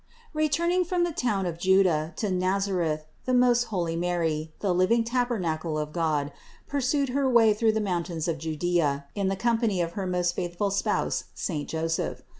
314. Returning from the town of Juda to Nazareth the most holy Mary, the living tabernacle of God, pur sued her way through the mountains of Judea in the company of her most faithful spouse saint Joseph.